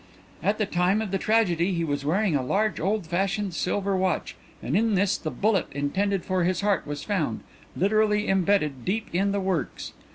At the time of the tragedy he was wearing a large old fashioned silver watch; and in this the bullet intended for his heart was found, literally embedded deep in the works.